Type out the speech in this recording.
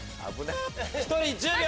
１人１０秒！